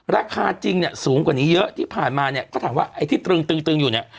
ราคาจริงเนี่ยสูงกว่านี้เยอะที่ผ่านมาเนี่ยก็ถามว่าไอ้ที่ตรึงอยู่เนี่ย